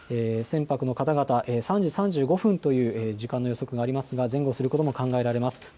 船舶の方々、３時３５分という時間の予測がありますが前後することも考えられます。